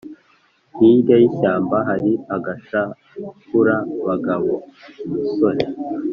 Hirya y'ishyamba hari agashahurabagabo- Umusoro.